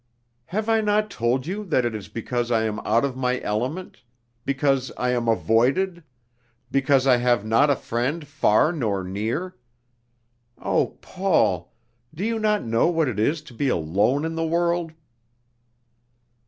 "Have I not told you that it is because I am out of my element; because I am avoided; because I have not a friend far nor near! Oh, Paul, you do not know what it is to be alone in the world!"